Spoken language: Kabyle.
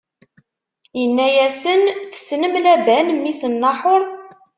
Inna-yasen: Tessnem Laban, mmi-s n Naḥuṛ?